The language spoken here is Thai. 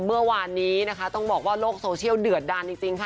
เมื่อวานนี้นะคะต้องบอกว่าโลกโซเชียลเดือดดันจริงค่ะ